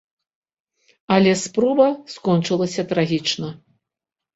Але спроба скончылася трагічна.